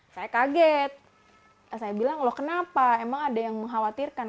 saya kaget saya bilang loh kenapa emang ada yang mengkhawatirkan